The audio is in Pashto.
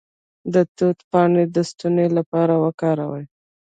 د توت پاڼې د ستوني لپاره وکاروئ